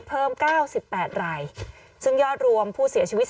กล้องกว้างอย่างเดียว